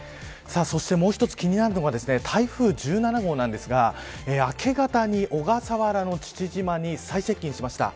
そしてもう一つ気になるのが台風１７号なんですが明け方に小笠原の父島に最接近しました。